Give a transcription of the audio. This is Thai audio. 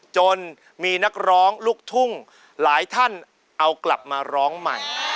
จนมีนักร้องลูกทุ่งหลายท่านเอากลับมาร้องใหม่